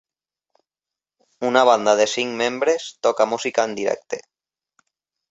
Una banda de cinc membres toca música en directe.